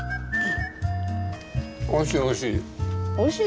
おいしいおいしい。